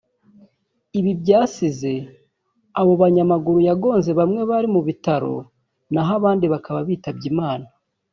Ibi byasize abo banyamaguru yagonze bamwe bari mu bitaro naho abandi bakaba bitabye Imana